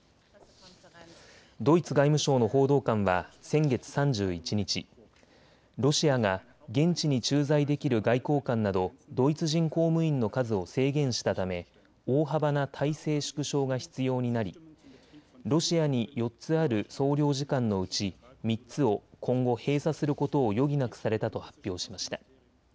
ドイツ外務省の報道官は先月３１日、ロシアが現地に駐在できる外交官などドイツ人公務員の数を制限したため大幅な体制縮小が必要になりロシアに４つある総領事館のうち３つを今後、閉鎖することを余儀なくされたと発表しました。